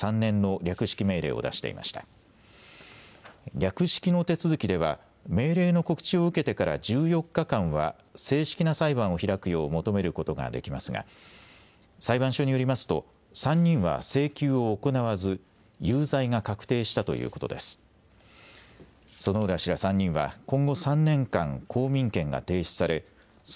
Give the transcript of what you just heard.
略式の手続きでは命令の告知を受けてから１４日間は正式な裁判を開くよう求めることができますが裁判所によりますと３人は請求を行わず有罪が確定したということです。